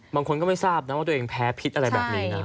บางคนก็ไม่ทราบนะว่าตัวเองแพ้พิษอะไรแบบนี้นะ